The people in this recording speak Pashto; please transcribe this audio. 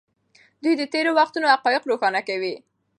دوی د تېرو وختونو حقایق روښانه کوي.